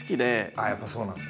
ああやっぱそうなんだ。